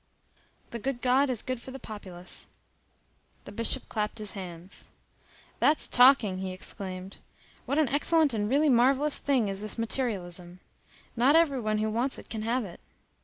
The good God is good for the populace." The Bishop clapped his hands. "That's talking!" he exclaimed. "What an excellent and really marvellous thing is this materialism! Not every one who wants it can have it.